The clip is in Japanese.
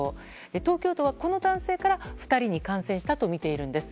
東京都は、この男性から２人に感染したとみているんです。